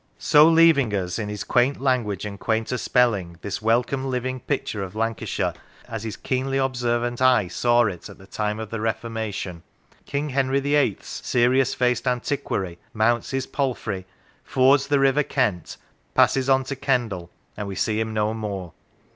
So, leaving us, in his quaint language and quainter spelling, this welcome living picture of Lancashire as his keenly observant eye saw it at the time of the Reformation, King Henry VIII. 's serious faced antiquary mounts his palfrey, fords the River Kent, passes on to Kendal, and we see him no more.